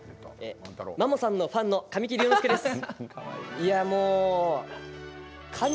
マモさんのファンの神木隆之介です。